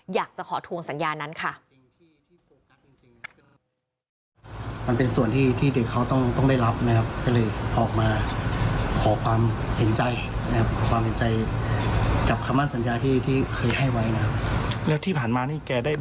อยากจะขอทวงสัญญานั้นค่ะ